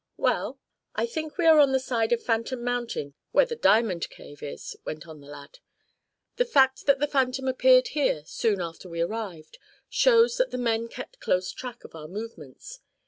"Well, I think we are on the side of Phantom Mountain where the diamond cave is," went on the lad. "The fact that the phantom appeared here, soon after we arrived, shows that the men kept close track of our movements.